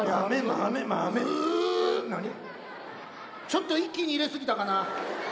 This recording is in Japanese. ちょっと一気に入れ過ぎたかな。